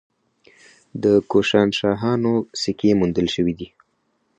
د کوشانشاهانو سکې موندل شوي دي